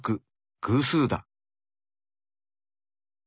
偶数だ。